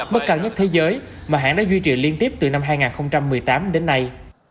mức cao nhất thế giới mà hãng đã duy trì liên tiếp từ năm hai nghìn một mươi tám đến nay